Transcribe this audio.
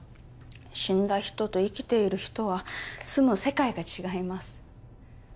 死んだ人と生きている人は住む世界が違います